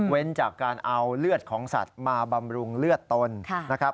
จากการเอาเลือดของสัตว์มาบำรุงเลือดตนนะครับ